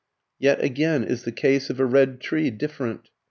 ] Yet again is the case of a red tree different.